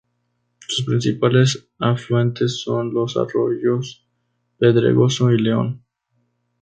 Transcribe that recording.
Sus principales afluentes son los arroyos Pedregoso y León.